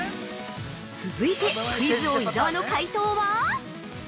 ◆続いて、クイズ王・伊沢の解答は？